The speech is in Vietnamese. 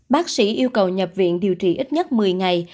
bác sĩ yêu cầu nhập viện điều trị ít nhất một mươi ngày